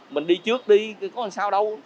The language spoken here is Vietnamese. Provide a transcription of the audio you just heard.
mình đi trước đi có làm sao đâu